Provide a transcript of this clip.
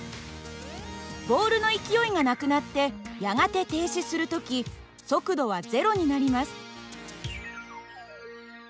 ボールの勢いがなくなってやがて停止する時速度は０になります。